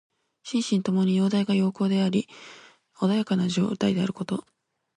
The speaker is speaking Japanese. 心身ともに様態が良好であり穏やかな状態であること。